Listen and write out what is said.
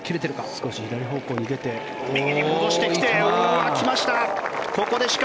少し左方向に出て右に戻してきて、来ました！